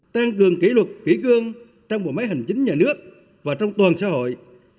tăng cường kỷ luật kỷ cương trong bộ máy hành chính nhà nước và trong toàn xã hội